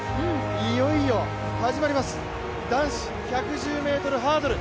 いよいよ始まります、男子１１０ｍハードル。